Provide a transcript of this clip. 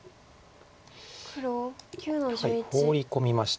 ホウリ込みました。